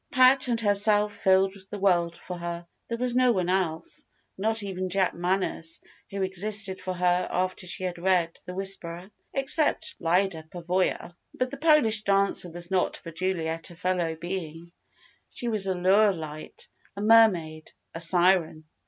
Pat and herself filled the world for her. There was no one else not even Jack Manners who existed for her after she had read the "Whisperer": except Lyda Pavoya. But the Polish dancer was not for Juliet a fellow being. She was a Lure light, a Mermaid, a Siren.